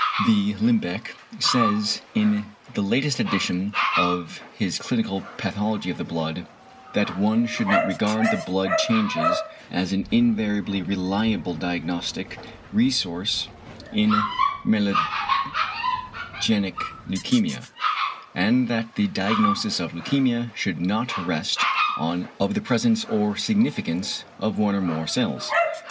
v. Limbeck says in the latest edition of his clinical Pathology of the Blood, "That one should not regard the blood changes as an invariably reliable diagnostic resource in myelogenic leukæmia; and that the diagnosis of leukæmia should not rest on the presence or significance of one or more cells.